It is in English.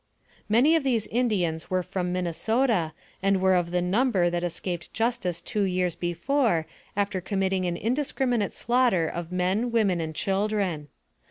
Many of these Indians were from Minnesota, and were of the number that escaped justice two years be fore, after committing an indiscriminate slaughter of men, women, and children.